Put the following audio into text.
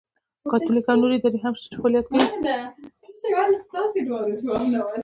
کاتولیک او نورې ادارې هم شته چې فعالیت کوي.